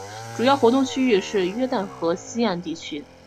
主要活动区域是约旦河西岸地区。